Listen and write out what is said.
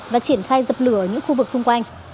và triển khai dập lửa những khu vực xung quanh